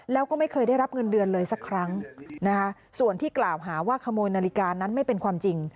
แล้วก็ไม่เคยได้รับเงินเดือนเลยสักครั้งนะคะส่วนที่กล่าวหาว่าขโมยนาฬิกานั้นไม่เป็นความจริง